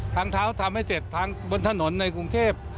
ทางเท้าทำให้เสร็จทางบนถนนในกรุงเทพ